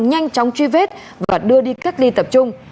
nhanh chóng truy vết và đưa đi cách ly tập trung